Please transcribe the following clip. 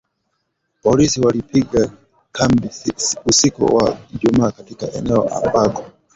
Polisi walipiga kambi usiku wa Ijumaa katika eneo ambako